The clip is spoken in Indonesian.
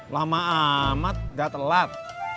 lama amat gak telat